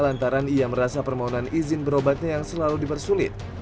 lantaran ia merasa permohonan izin berobatnya yang selalu dipersulit